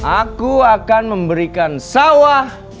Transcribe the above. aku akan memberikan sawah